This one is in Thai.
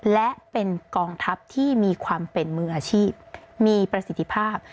และเป็นกองทัพที่มีความเป็นมืออาชีพมีประสิทธิภาพ